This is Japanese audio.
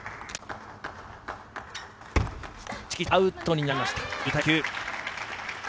アウトになりました。